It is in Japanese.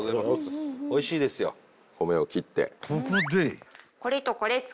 ［ここで］